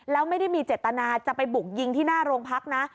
แล้วไม่ได้มีเจตนาจะไปบุกยิงที่หน้าโรงพักนะ